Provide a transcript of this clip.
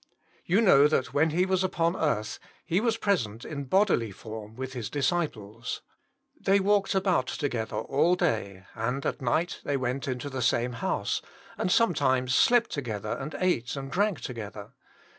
You know that when He was upon earth, He was present in bodily form with his disci ples. They walked about together all day, and at night they went into the same house, and sometimes slept to « gether and ate and drank together.